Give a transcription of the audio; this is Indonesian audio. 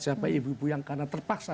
siapa ibu ibu yang karena terpaksa